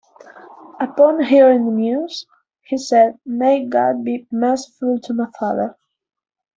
Upon hearing the news, he said May God be merciful to my father.